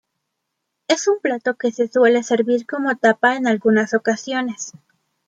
Es un plato que se suele servir como tapa en algunas ocasiones.